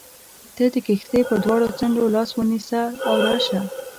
ته د کښتۍ پر دواړو څنډو لاس ونیسه او راشه.